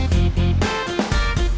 hai berubah gitu